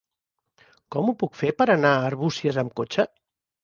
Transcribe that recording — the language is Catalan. Com ho puc fer per anar a Arbúcies amb cotxe?